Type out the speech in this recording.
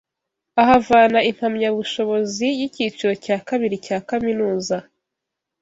ahavana impamyabushobozi y’icyiciro cya kabiri cya kaminuza